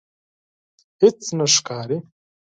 هیڅ نه ښکاري